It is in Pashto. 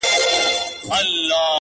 o ماته زارۍ كوي چي پرېميږده ه ياره،